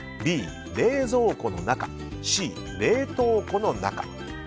Ｂ、冷蔵庫の中Ｃ、冷凍庫の中。